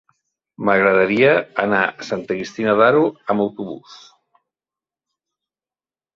M'agradaria anar a Santa Cristina d'Aro amb autobús.